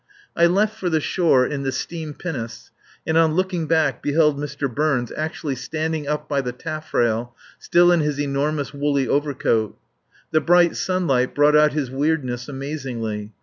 I left for the shore in the steam pinnace, and on looking back beheld Mr. Burns actually standing up by the taffrail, still in his enormous woolly overcoat. The bright sunlight brought out his weirdness amazingly.